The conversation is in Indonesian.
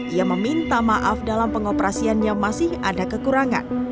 ia meminta maaf dalam pengoperasian yang masih ada kekurangan